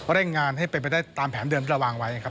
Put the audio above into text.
เร่งงานให้เป็นไปได้ตามแผนเดิมที่เราวางไว้ครับ